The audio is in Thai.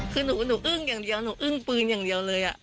คือหนูอึ้งอย่างเดียวหนูอึ้งปืนอย่างเดียวเลย